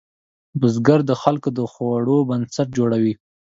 بزګر د خلکو د خوړو بنسټ جوړوي